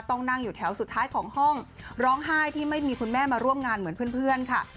ต้องนั่งอยู่แถวสุดท้ายของห้องร้องไห้ที่ไม่มีคุณแม่มาร่วมงานเหมือนเพื่อนค่ะ